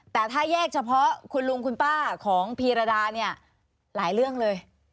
แต่ถ้าแยกเฉพาะคุณลุงคุณป้าของพีรดาเนี่ยหลายเรื่องเลย